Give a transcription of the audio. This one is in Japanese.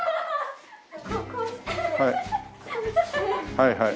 はいはい。